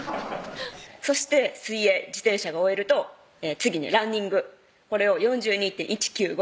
そして水泳・自転車が終えると次にランニングこれを４２．１９５